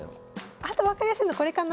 あと分かりやすいのこれかな。